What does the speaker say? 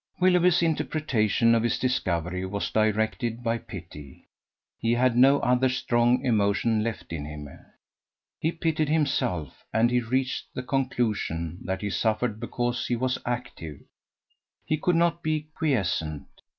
Willoughby's interpretation of his discovery was directed by pity: he had no other strong emotion left in him. He pitied himself, and he reached the conclusion that he suffered because he was active; he could not be quiescent.